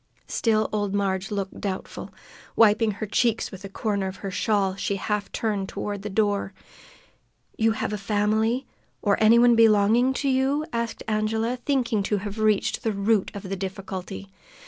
Still old Marg looked doubtful. Wiping her cheeks with a corner of the shawl, she half turned toward the door. "Have you a family, or any one belonging to you?" asked Angela, thinking to have reached the root of the difficulty.